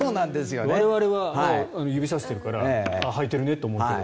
我々は指さしてるからはいてるねって思うけど。